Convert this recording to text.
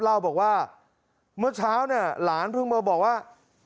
เล่าบอกว่าเมื่อเช้าเนี่ยหลานเพิ่งมาบอกว่า